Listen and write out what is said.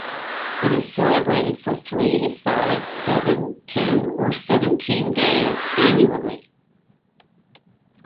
It is celebrated for three, five, seven, ten or seventeen days annually.